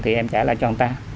thì em trả lại cho người ta